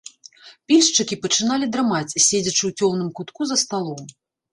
Пільшчыкі пачыналі драмаць, седзячы ў цёмным кутку за сталом.